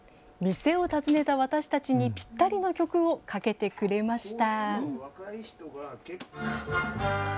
店を訪ねた私たちにぴったりの曲をかけてくれました。